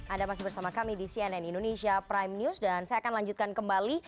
anda masih bersama kami di cnn indonesia prime news dan saya akan lanjutkan kembali